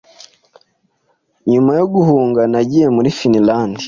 Nyuma yo guhunga nagiye muri Finlande